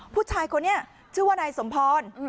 ผู้ชายคนนี้ชื่อว่านายสมพร